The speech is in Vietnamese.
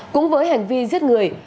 cũng với hành vi giết người